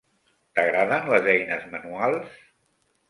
T'agraden les eines manuals?